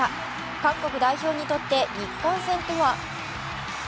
韓国代表にとって日本戦とは。